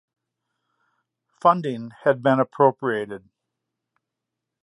Funding had been appropriated.